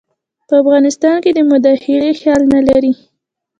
په افغانستان کې د مداخلې خیال نه لري.